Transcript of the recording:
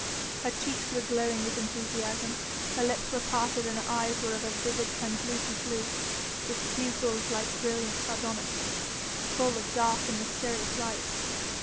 Her cheeks were glowing with enthusiasm, her lips were parted and her eyes were of a vivid, translucent blue, with the pupils like brilliant sardonyx, full of dark and mysterious lights.